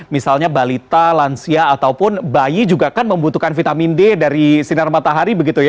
misalnya balita lansia ataupun bayi juga kan membutuhkan vitamin d dari sinar matahari begitu ya